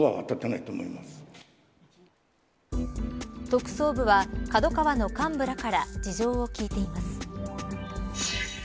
特捜部はＫＡＤＯＫＡＷＡの幹部らから事情を聴いています。